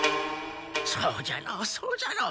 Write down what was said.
そうじゃろうそうじゃろう。